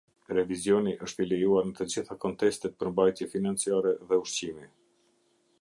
Revizioni është i lejuar në të gjitha kontestet për mbajtje financiare dhe ushqimi.